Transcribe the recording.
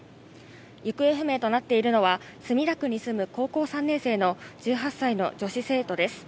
行方不明となっているのは墨田区に住む高校３年生の１８歳の女子生徒です。